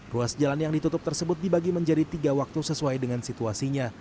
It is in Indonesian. ruas jalan yang ditutup tersebut dibagi menjadi tiga waktu sesuai dengan situasinya